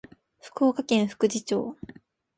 福岡県福智町